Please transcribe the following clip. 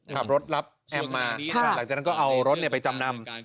ขับรถรับแอมมาหลังจากนั้นก็เอารถไปจำนำ